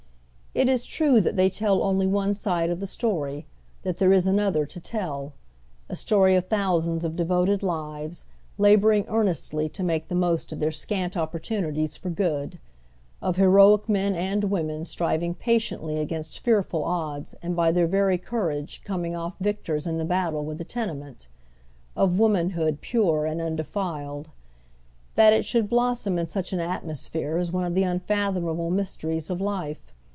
It is true that they tell only one side of the story ; tliat there is another to tell. A story of thousands of devoted lives, laboring earnestly to make the most of their scant opportunities for good ; of heroic men and women striv ing patiently against fearful odds and by their very cour age coming off victors in the battle with the tenement ; of womanhood pure and nndefiled. That it should blossom in such an atmosphere is one of the unfathomable myste ries of life.